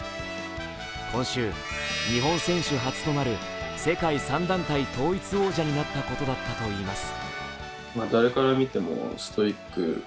今週、日本選手初となる世界３団体統一王者になったことだったといいます。